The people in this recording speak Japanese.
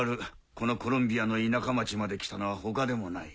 このコロンビアの田舎町まで来たのは他でもない。